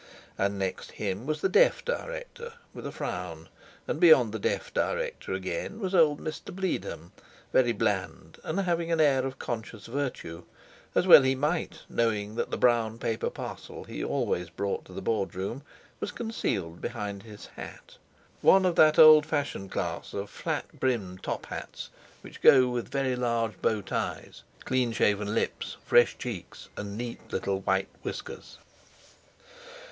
And next him was the deaf director, with a frown; and beyond the deaf director, again, was old Mr. Bleedham, very bland, and having an air of conscious virtue—as well he might, knowing that the brown paper parcel he always brought to the Board room was concealed behind his hat (one of that old fashioned class, of flat brimmed top hats which go with very large bow ties, clean shaven lips, fresh cheeks, and neat little, white whiskers).